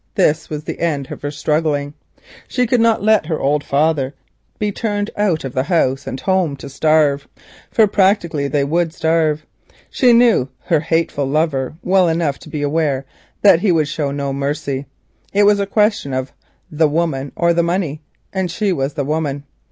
This was the end of her struggling. She could not let her old father be turned out of house and home to starve, for practically they would starve. She knew her hateful lover well enough to be aware that he would show no mercy. It was a question of the woman or the money, and she was the woman.